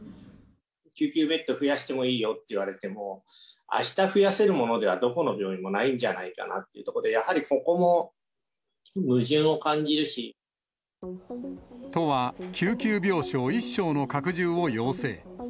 救急ベッド増やしてもいいよって言われても、あした増やせるものでは、どこの病院もないんじゃないかなっていうところで、都は、救急病床１床の拡充を要請。